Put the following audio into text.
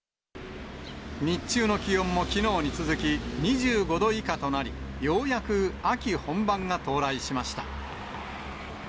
日中の気温もきのうに続き２５度以下となり、ようやく秋本番が到来しました。